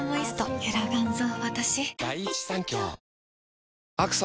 ゆらがんぞ私！